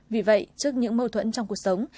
vì vậy trước những mâu thuẫn trong cuộc sống